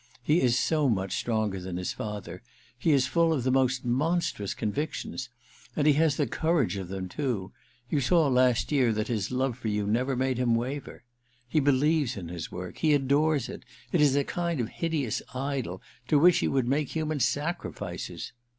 He is so much stronger than his father — he is full of the most monstrous convictions. And he has the courage of them, too — you saw last year that his love for you never made him waver. He believes in his work ; he adores it — it is a kind of hideous idol to which he would make human sacrifices